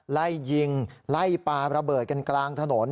ไล่ยิงไล่ปลาระเบิดกันกลางถนน